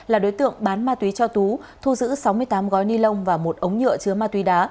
là đối tượng bán ma túy cho tú thu giữ sáu mươi tám gói ni lông và một ống nhựa chứa ma túy đá